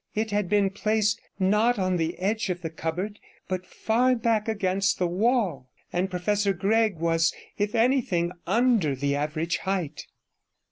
It had been placed, not on the edge of the cupboard, but far back against the wall; and Professor Gregg was, if anything, under the average height.